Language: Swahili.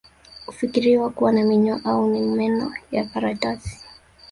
Hufikiriwa kuwa na minyoo au ni meno ya karatasi